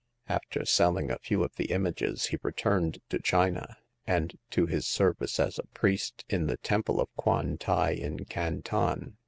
After selling a few of the images he returned to China, and to his service as a priest in the Tem ple of Kwan tai in Canton.